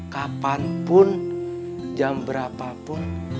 kapanpun jam berapapun